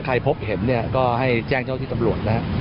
ใครพบเห็นก็ให้แจ้งเจ้าที่ตำรวจนะครับ